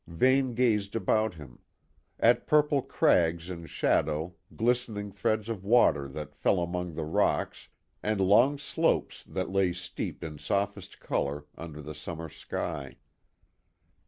Vane gazed about him; at purple crags in shadow, glistening threads of water that fell among the rocks, and long slopes that lay steeped in softest colour, under the summer sky.